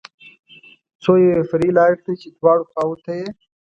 څو یوې فرعي لارې ته چې دواړو اړخو ته یې.